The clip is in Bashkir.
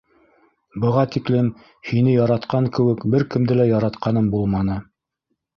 Быға тиклем һине яратҡан кеүек бер кемде лә яратҡаным... булманы.